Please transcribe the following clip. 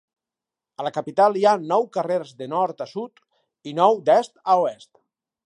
A la capital hi ha nou carrers de nord a sud i nou d'est a oest.